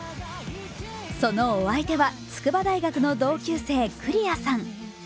そのお相手は筑波大学の同級生、クリアさん。